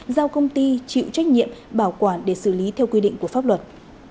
giao công ty chịu trách nhiệm bảo quản để xử lý theo quy định của pháp luật